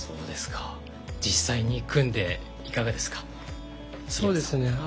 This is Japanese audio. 実際に組んでいかがですか。